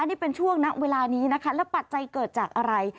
นี่เป็นช่วงณเวลานี้นะคะแล้วปัจจัยเกิดจากอะไร